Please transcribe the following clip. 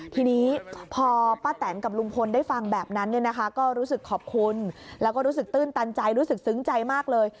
ทีนี้พอป้าแตนกับลุงพลได้ฟังแบบนั้นเนี่ยนะคะก็รู้สึกขอบคุณแล้วก็รู้สึกตื้นตันใจรู้สึกซึ้งใจมากเลย